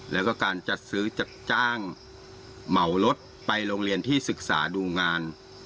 แล้วก็การจัดซื้อจัดจ้างเหมารถไปโรงเรียนที่ศึกษาดูงาน